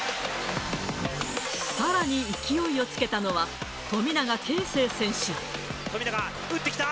さらに勢いをつけたのは、富永、打ってきた。